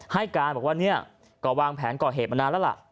ให้การบอกว่าเนี่ยก็วางแผนก่อเหตุมานานแล้วล่ะ